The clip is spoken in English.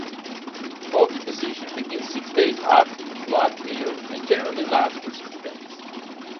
Oviposition begins six days after the blood meal and generally lasts for six days.